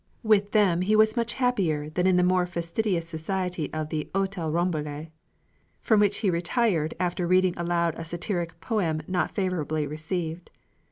With them he was much happier than in the more fastidious society of the Hôtel Rambouillet, from which he retired after reading aloud a satiric poem not favorably received.